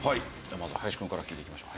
まず林くんから聞いていきましょう。